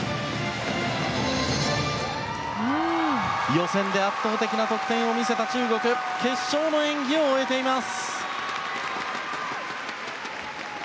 予選で圧倒的な得点を見せた中国決勝の演技を終えています。